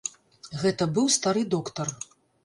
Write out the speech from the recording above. Гэта быў стары доктар.